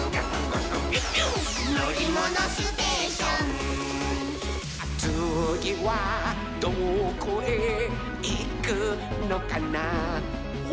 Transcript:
「のりものステーション」「つぎはどこへいくのかなほら」